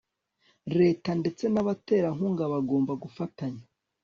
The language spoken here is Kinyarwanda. leta ndetse n' abaterankunga bagomba gufatanya